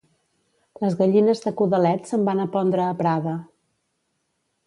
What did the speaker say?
Les gallines de Codalet se'n van a pondre a Prada.